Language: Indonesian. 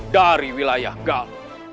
dari wilayah galau